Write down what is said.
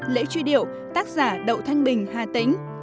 lễ truy điệu tác giả đậu thanh bình hà tĩnh